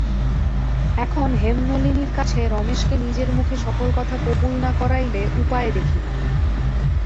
এখন হেমনলিনীর কাছে রমেশকে নিজের মুখে সকল কথা কবুল না করাইলে উপায় দেখি না।